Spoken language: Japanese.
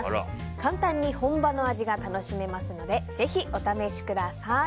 簡単に本場の味が楽しめますのでぜひお試しください。